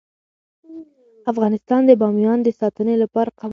افغانستان د بامیان د ساتنې لپاره قوانین لري.